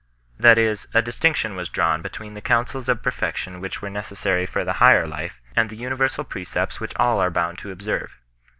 That is, a distinction was drawn between the counsels of perfection which were necessary for the higher life, and the universal precepts which all are bound to observe.